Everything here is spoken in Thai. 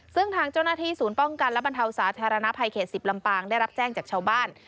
ซึ่งทางเจ้าหน้าที่ศูนย์ป้องกันและบรรเทาสาธารณภัยเขต๑๐ลำปางได้รับแจ้งจากชาวบ้าน